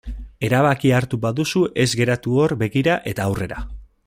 Erabakia hartu baduzu ez geratu hor begira eta aurrera.